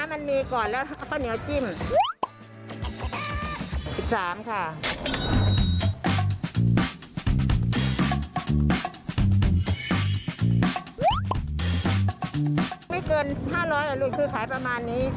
ไม่เกิน๕๐๐เหรอลูกคือขายประมาณนี้